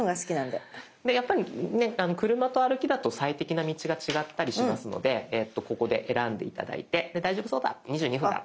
でやっぱりね車と歩きだと最適な道が違ったりしますのでここで選んで頂いてで大丈夫そうだ２２分だ。